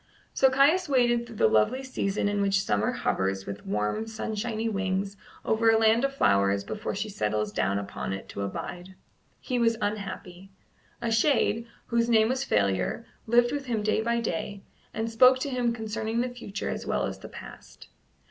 So Caius waited through the lovely season in which summer hovers with warm sunshiny wings over a land of flowers before she settles down upon it to abide. He was unhappy. A shade, whose name was Failure, lived with him day by day, and spoke to him concerning the future as well as the past.